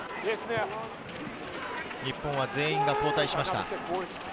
日本は全員が交代しました。